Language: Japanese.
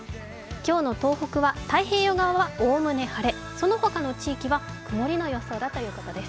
今日の東北は太平洋側はおおむね晴れその他の地域は曇りの予想だということです。